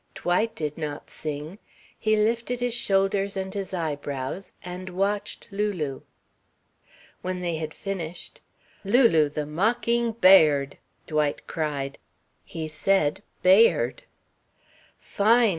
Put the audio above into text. Dwight did not sing. He lifted his shoulders and his eyebrows and watched Lulu. When they had finished, "Lulu the mocking bird!" Dwight cried. He said "ba ird." "Fine!"